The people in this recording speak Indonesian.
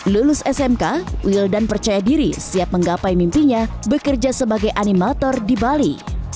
lulus smk wildan percaya diri siap menggapai mimpinya bekerja sebagai animator di bali